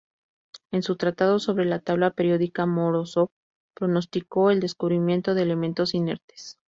En su tratado sobre la tabla periódica, Morózov pronosticó el descubrimiento de elementos inertes.